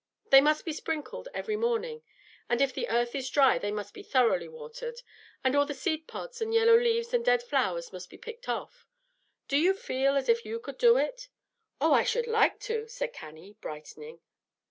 They must be sprinkled every morning; and if the earth is dry they must be thoroughly watered, and all the seed pods and yellow leaves and dead flowers must be picked off. Do you feel as if you could do it?" "Oh, I should like to," said Cannie, brightening.